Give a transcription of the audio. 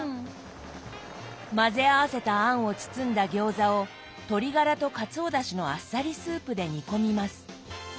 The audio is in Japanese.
混ぜ合わせた餡を包んだ餃子を鶏ガラとカツオだしのあっさりスープで煮込みます。